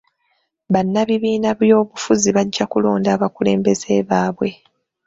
Bannabibiina by'obufuzi bajja kulonda abakulembeze baabwe.